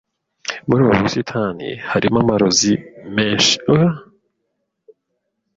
Muri ubu busitani harimo amaroza menshi.